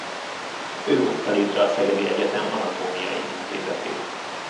Ő hozta létre a szegedi egyetem anatómiai intézetét.